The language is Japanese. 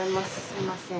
すいません。